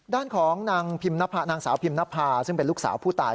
ด้านของนางสาวพิมนภาซึ่งเป็นลูกสาวผู้ตาย